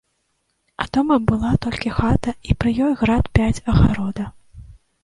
А дома была толькі хата, і пры ёй град пяць агарода.